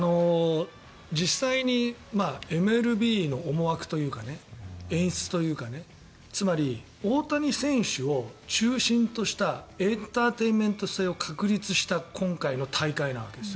実際にＭＬＢの思惑というか演出というかつまり、大谷選手を中心としたエンターテインメント性を確立した今回の大会なわけです。